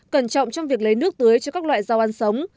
cẩn trọng trong việc lấy nước tưới cho các loại rau ăn sống